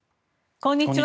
こんにちは。